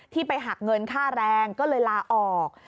ไปหักเงินค่าแรงก็เลยลาออก